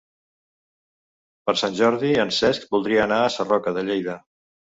Per Sant Jordi en Cesc voldria anar a Sarroca de Lleida.